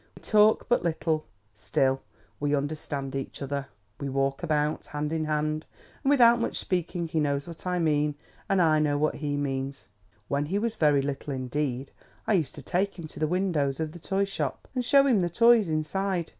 We talk but little; still, we understand each other. We walk about, hand in hand; and without much speaking he knows what I mean, and I know what he means. When he was very little indeed, I used to take him to the windows of the toy shops, and show him the toys inside.